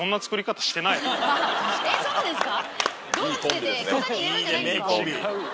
えっそうですか？